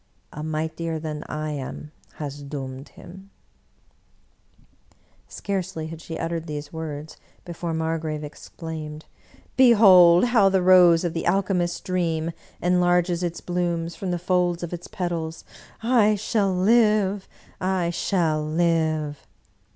A mightier than I am has doomed him !" Scarcely had she uttered these words before Margrave exclaimed, " Behold how the Rose of the alchemist's dream enlarges its blooms from the folds of its petals! I shall live, I shall live!"